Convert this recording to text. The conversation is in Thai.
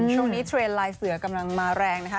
เทรนด์ลายเสือกำลังมาแรงนะคะ